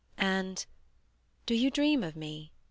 And "Do you dream of me?"